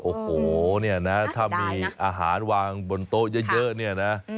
โอ้โหเนี่ยนะถ้ามีอาหารวางบนโต๊ะเยอะเนี่ยนะ